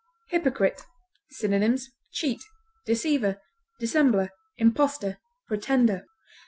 HYPOCRITE. Synonyms: cheat, deceiver, dissembler, impostor, pretender.